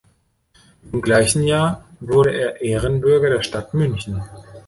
Im gleichen Jahr wurde er Ehrenbürger der Stadt München.